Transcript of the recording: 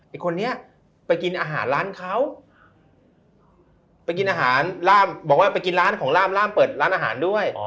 ไอ้คนนี้ไปกินอาหารร้านเค้าบอกว่าไปกินร้านของล่ามล่ามเปิดร้านอาหารด้วย